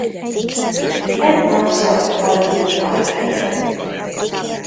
Edna zajt hall udvar felől.